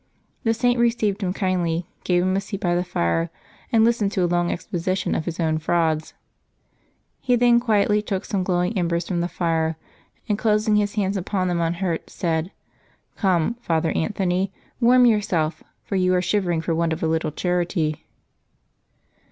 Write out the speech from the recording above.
The Saint received him kindly, gave him a seat by the fire, and listened to a long exposition of his own frauds. He then quietly took some glowing embers from the fire, and closing his hands upon them unhurt, said, " Come, Father Anthony, warm your self, for you are shivering for want of a little charity."